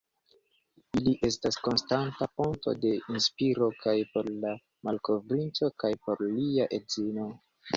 Ili estas konstanta fonto de inspiro kaj por la malkovrinto kaj por lia edzino.